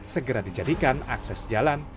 segera dijadikan akses jalan